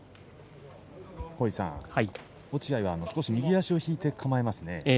落合は少し右足を引いて構えますね。